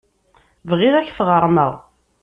Bɣiɣ ad ak-t-ɣermeɣ.